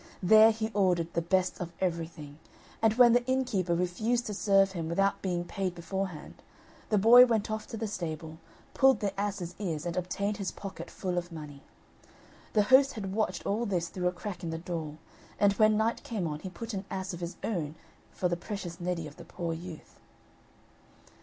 There he ordered the best of everything, and when the innkeeper refused to serve him without being paid beforehand, the boy went off to the stable, pulled the ass's ears and obtained his pocket full of money. The host had watched all this through a crack in the door, and when night came on he put an ass of his own for the precious Neddy of the poor youth.